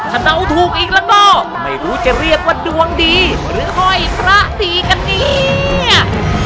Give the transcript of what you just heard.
ถ้าเดาถูกอีกแล้วก็ไม่รู้จะเรียกว่าดวงดีหรือห้อยพระตีกันเนี่ย